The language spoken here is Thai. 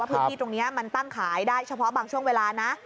พื้นที่ตรงนี้มันตั้งขายได้เฉพาะบางช่วงเวลานะ